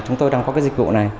chúng tôi đang có cái dịch vụ này